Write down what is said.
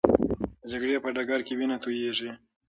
د جګړې په ډګر کې وینه تویېږي.